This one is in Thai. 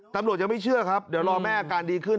ตำรวจยังไม่เชื่อครับเดี๋ยวรอแม่อาการดีขึ้น